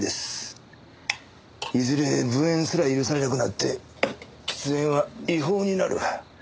いずれ分煙すら許されなくなって喫煙は違法になる。